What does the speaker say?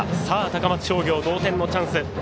高松商業、同点のチャンス。